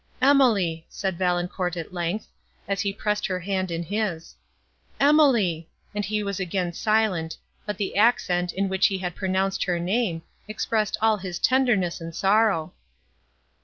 "Emily," said Valancourt at length, as he pressed her hand in his. "Emily!" and he was again silent, but the accent, in which he had pronounced her name, expressed all his tenderness and sorrow.